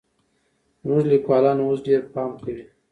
زموږ ليکوالان اوس ډېر پام کوي.